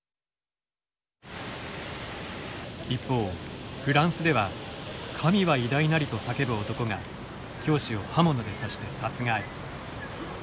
一方フランスでは「神は偉大なり」と叫ぶ男が教師を刃物で刺して殺害。